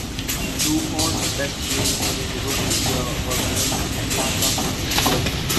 Duhon's best game in his rookie year was against the Atlanta Hawks.